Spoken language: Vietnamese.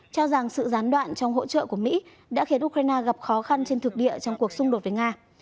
cho rằng sự gián đoạn trong hỗ trợ của mỹ đã khiến ukraine gặp khó khăn trên thực địa trong cuộc xung đột với nga